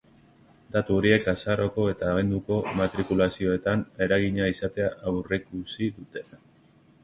Datu horiek azaroko eta abenduko matrikulazioetan eragina izatea aurreikusi dute.